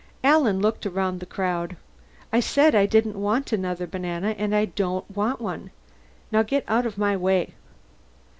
Alan looked around at the crowd. "I said I didn't want another banana, and I don't want one. Now get out of my way!"